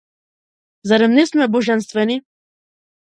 Зарем не сме божествени?